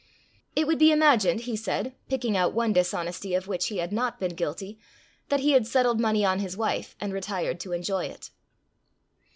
It would be imagined, he said, picking out one dishonesty of which he had not been guilty, that he had settled money on his wife, and retired to enjoy it.